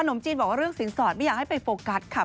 มจีนบอกว่าเรื่องสินสอดไม่อยากให้ไปโฟกัสค่ะ